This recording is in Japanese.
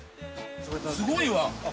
すごいわ。